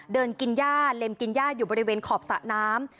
เดินกินย่าเล็มกินย่าอยู่บริเวณขอบสระน้ำ